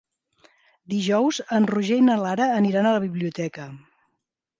Dijous en Roger i na Lara aniran a la biblioteca.